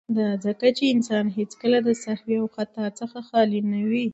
، دا ځکه چې انسان هيڅکله د سهو او خطا څخه خالي نه وي.